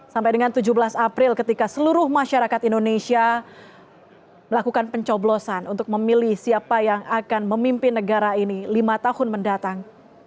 sampai dengan tujuh belas april ketika seluruh masyarakat indonesia melakukan pencoblosan untuk memilih siapa yang akan memimpin negara ini lima tahun mendatang